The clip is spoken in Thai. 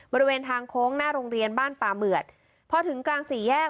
บริเวณทางโค้งหน้าโรงเรียนบ้านป่าเหมือดพอถึงกลางสี่แยก